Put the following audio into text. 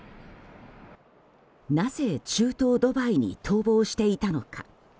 なぜ、中東ドバイに逃亡していたのか。